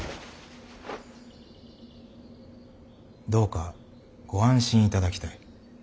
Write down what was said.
どうかご安心いただきたい。